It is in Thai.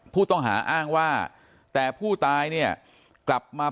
ผู้ต้องหาอ้างว่าแต่ผู้ตายเนี่ยกลับมา